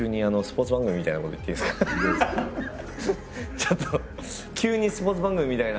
ちょっと急にスポーツ番組みたいな。